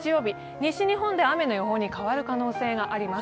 西日本で雨の予報に変わる可能性があります。